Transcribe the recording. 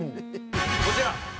こちら。